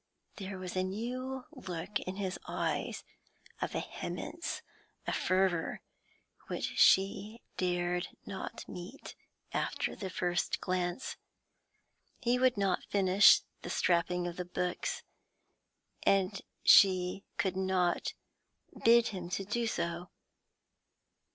There was a new look in his eyes, a vehemence, a fervour, which she dared not meet after the first glance. He would not finish the strapping of the books, and she could not bid him do so.